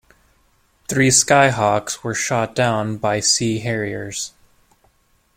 Three Skyhawks were shot down by Sea Harriers.